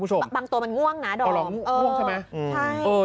ใช่